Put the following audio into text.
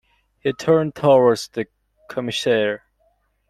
He turned towards the Commissaire.